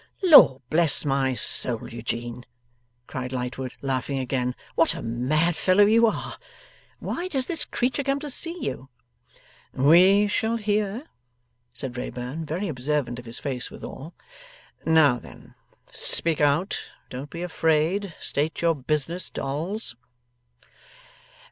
'Lord bless my soul, Eugene!' cried Lightwood, laughing again, 'what a mad fellow you are! Why does this creature come to see you?' 'We shall hear,' said Wrayburn, very observant of his face withal. 'Now then. Speak out. Don't be afraid. State your business, Dolls.